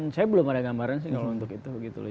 saya belum ada gambaran sih kalau untuk itu begitu loh